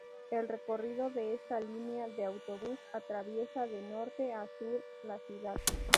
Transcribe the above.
El recorrido de esta línea de autobús atraviesa de norte a sur la ciudad.